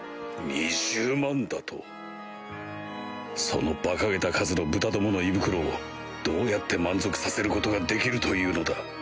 そのバカげた数の豚どもの胃袋をどうやって満足させることができるというのだ